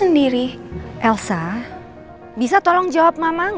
menginesi robin positive tukang